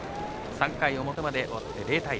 ３回表まで終わって０対０。